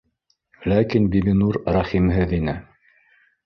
Ләкин Бибинур рәхимһеҙ ине